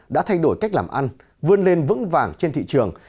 đã thay đổi cách làm ăn vươn lên vững vàng trên thị trường